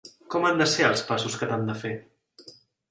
Com han de ser els passos que t'han de fer?